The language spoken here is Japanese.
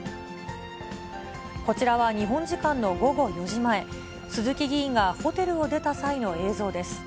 こちらは、日本時間の午後４時前、鈴木議員がホテルを出た際の映像です。